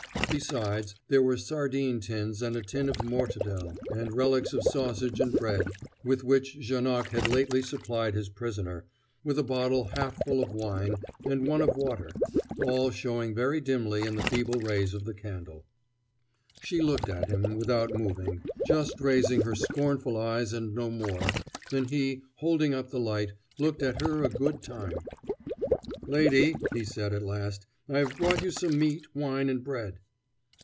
Besides, there were sardine tins and a tin of mortadel, and relics of sausage and bread, with which Janoc had lately supplied his prisoner, with a bottle half full of wine, and one of water: all showing very dimly in the feeble rays of the candle. She looked at him, without moving, just raising her scornful eyes and no more, and he, holding up the light, looked at her a good time. "Lady," he said at last, "I have brought you some meat, wine, and bread."